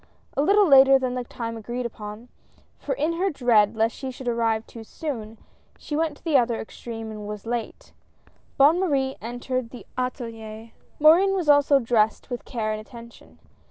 A little later than the time agreed upon — for in her dread lest she should arrive too soon, she went to the other extreme and was late — 168 HOPES. Bonne Marie entered the atSlier, Morin was also dressed with care and attention.